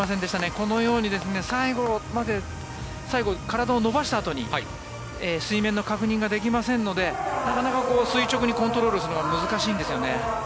このように最後まで体を伸ばしたあとに水面の確認ができませんのでなかなか垂直にコントロールするのが難しいんですよね。